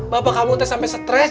bapak kamu udah sampai stres